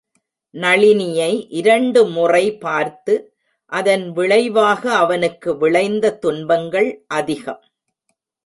நளினியை இரண்டு முறை பார்த்து, அதன் விளைவாக அவனுக்கு விளைந்த துன்பங்கள் அதிகம்.